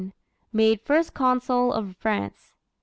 Made First Consul of France.